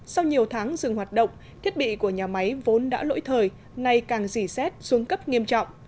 sau nhiều tháng dừng hoạt động thiết bị của nhà máy vốn đã lỗi thời nay càng dỉ xét xuống cấp nghiêm trọng